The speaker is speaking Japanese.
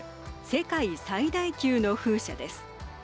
世界最大級の風車です。